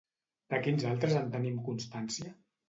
De quins altres en tenim constància?